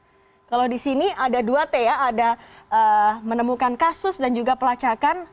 kalau di sini ada dua t ya ada menemukan kasus dan juga pelacakan